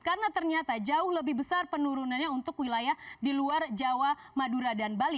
karena ternyata jauh lebih besar penurunannya untuk wilayah di luar jawa madura dan bali